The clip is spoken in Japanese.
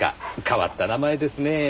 変わった名前ですねえ。